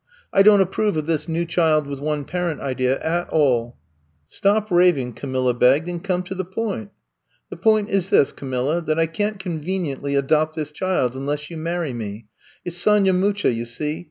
I don't approve of this new child with one parent idea at all." Stop raving,*' Camilla begged, and come to the point." The point is this, Camilla, that I cant conveniently adopt this child unless you marry me. It 's Sonya Mucha, you see.